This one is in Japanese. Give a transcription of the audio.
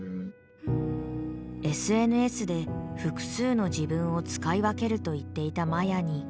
ＳＮＳで複数の自分を使い分けると言っていたマヤにどては。